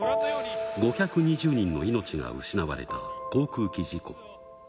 ５２０人の命が失われた航空機事故。